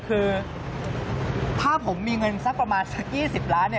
คือถ้าผมมีเงินสักประมาณสัก๒๐ล้านเนี่ย